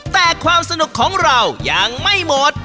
แต่ความสนุกของเรายังไม่หมด